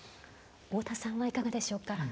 大田さんはいかがでしょうか。